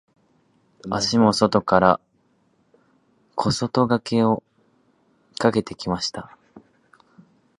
足も外から小外掛けをかけてきました。